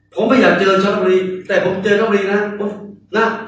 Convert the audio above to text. ผมไม่อยากเจอชาตาบุรีแต่ผมเจอชาตาบุรีน่ะน่ะ